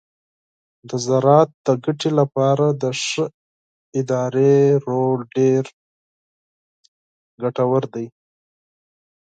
د زراعت د بریا لپاره د ښه ادارې رول ډیر مهم دی.